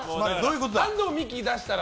安藤美姫出したら。